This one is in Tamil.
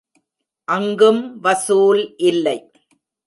அங்கும் வசூல் இல்லை.